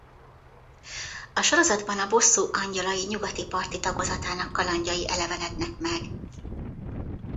A sorozatban a Bosszú Angyalai nyugati parti tagozatának kalandjai elevenednek meg.